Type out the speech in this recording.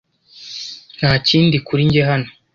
Nta kindi kuri njye hano.